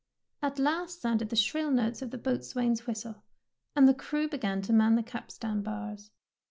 At last sounded the shrill notes of the boatswain's whistle, and the crew began to man the capstan bars.